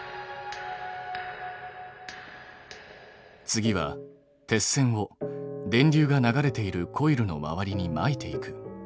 次は鉄線を電流が流れているコイルの周りにまいていく。